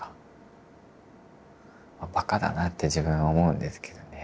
バカだなって自分思うんですけどね。